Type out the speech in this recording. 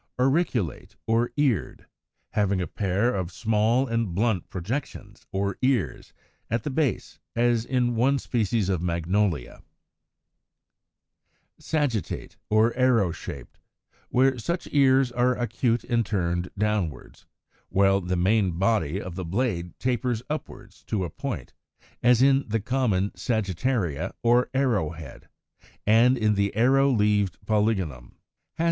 Auriculate, or Eared, having a pair of small and blunt projections, or ears, at the base, as in one species of Magnolia (Fig. 126). Sagittate, or arrow shaped, where such ears are acute and turned downwards, while the main body of the blade tapers upwards to a point, as in the common Sagittaria or Arrow head, and in the Arrow leaved Polygonum (Fig.